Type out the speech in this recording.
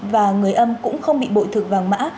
và người âm cũng không bị bội thực vàng mã